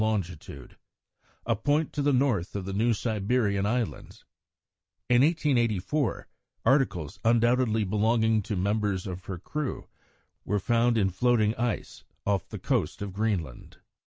longitude, a point to the north of the New Siberian Islands. In 1884 articles undoubtedly belonging to members of her crew were found in floating ice off the coast of Greenland.